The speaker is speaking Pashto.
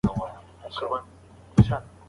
د بازار تریخوالی مې وڅکلو.